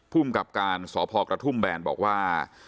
ภูมิกับการสพกระทุ่มแบนบอกว่า